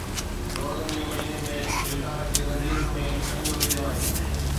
روزن جي مهيني ۾ شيطان کي زنجيرن ۾ ٽنگيو ويندو آهي